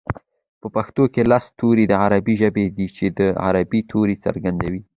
په پښتو کې لس توري د عربۍ ژبې دي چې د عربۍ توري څرګندوي